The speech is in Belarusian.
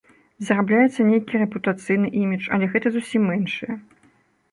Зарабляецца нейкі рэпутацыйны імідж, але гэта зусім іншае.